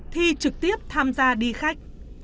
thi trực tiếp tham gia đi khách